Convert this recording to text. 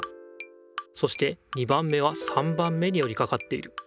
そして２番目は３番目によりかかっている。